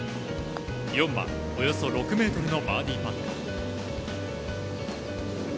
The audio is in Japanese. ４番、およそ６ｍのバーディーパット。